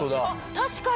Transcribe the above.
確かに。